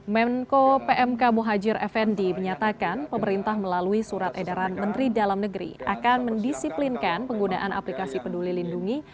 menko pmk muhajir effendi menyatakan pemerintah melalui surat edaran menteri dalam negeri akan mendisiplinkan penggunaan aplikasi peduli lindungi